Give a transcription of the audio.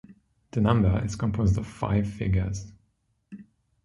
The number is composed of five figures.